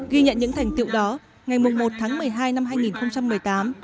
ghi nhận những thành tiệu đó ngày một tháng một mươi hai năm hai nghìn một mươi tám